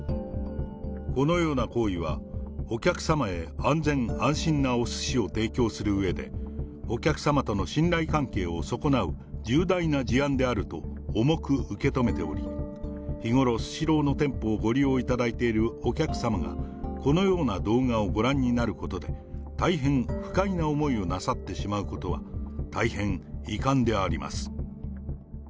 このような行為は、お客様へ安全・安心なおすしを提供するうえで、お客様との信頼関係を損なう重大な事案であると重く受け止めており、日頃スシローの店舗をご利用いただいているお客様が、このような動画をご覧になることで、大変不快な思いをなさってしまうことは大変遺憾であります。